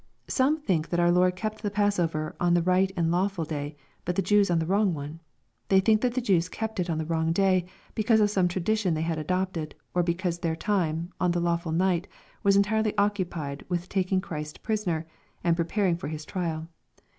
Some think that our Lord kept the passover on the right and lawful day, but the Jews on the wrong one. They think that the Jews kept it on the wrong day, beca.use of some tradition they had adopted, or because their time, on the lawful night, was entirely occupied with taking Christ prisoner, and preparing for His trial.